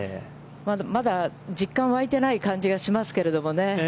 まだ実感がわいてない感じがしますけれどもね。